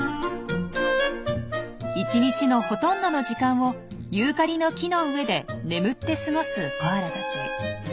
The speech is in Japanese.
一日のほとんどの時間をユーカリの木の上で眠って過ごすコアラたち。